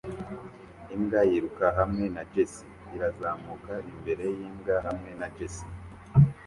Imbwa yiruka hamwe na "" jersey irazamuka imbere yimbwa hamwe na jersey "